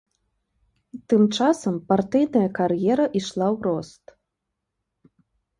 Тым часам партыйная кар'ера ішла ў рост.